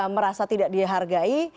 merasa tidak dihargai